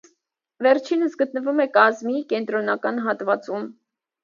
Վերջինս գտնվում է կազմի կենտրոնական հատվածում։